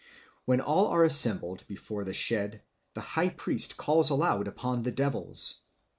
When all are assembled before the shed, the high priest calls aloud upon the devils.